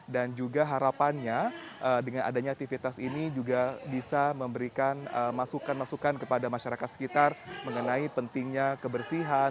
dan juga harapannya dengan adanya aktivitas ini juga bisa memberikan masukan masukan kepada masyarakat sekitar mengenai pentingnya kebersihan